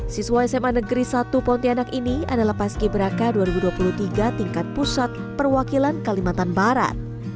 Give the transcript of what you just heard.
siswa sma negeri satu pontianak ini adalah paski beraka dua ribu dua puluh tiga tingkat pusat perwakilan kalimantan barat